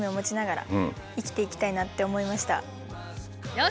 よし。